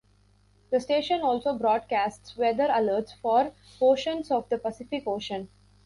The station also broadcasts weather alerts for portions of the Pacific Ocean.